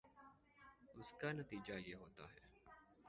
اس کا نتیجہ یہ ہوتا ہے